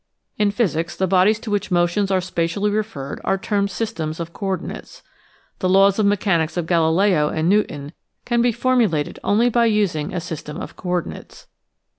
In physics the bodies to which motions are spatially re ferred are termed systems of coordinates. The laws of mechanics of Galileo and Newton can be formulated only by using a system of coordinates.